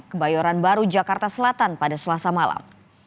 kebayoran baru jakarta selatan pada selasa malam